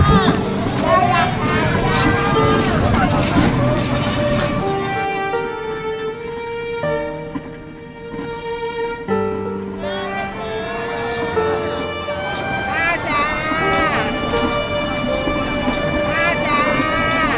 แล้วคุณสู้ยังมือช่วยพ่อด่าขาย